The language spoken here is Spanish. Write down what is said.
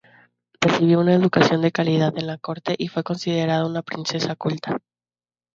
Recibió una educación de calidad en la corte y fue considerada una princesa culta.